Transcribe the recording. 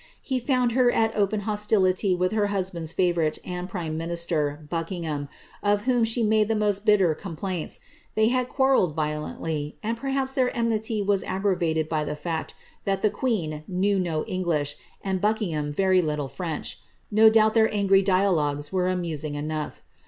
* He found her at open hostility with her husband^s favourite and prime minister, Buckingham, of whom f he made the most bitter complaints ; they had quarrelled violently, and perhaps their enmity was aggravated by the fact that the queen knew no English, and Buckingham very little French ; no doubt their angry dia logues were amusing enough.